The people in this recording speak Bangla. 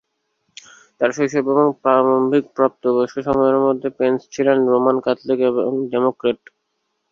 তার শৈশব এবং প্রারম্ভিক প্রাপ্তবয়স্ক সময়ের মধ্যে, পেন্স ছিলেন রোমান ক্যাথলিক এবং ডেমোক্র্যাট।